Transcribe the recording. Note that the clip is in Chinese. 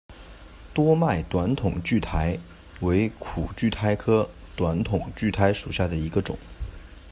多脉短筒苣苔为苦苣苔科短筒苣苔属下的一个种。